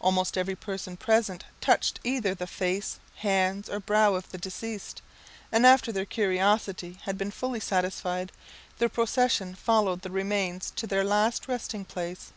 Almost every person present touched either the face, hands, or brow of the deceased; and after their curiosity had been fully satisfied, the procession followed the remains to their last resting place.